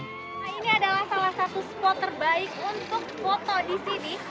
nah ini adalah salah satu spot terbaik untuk foto di sini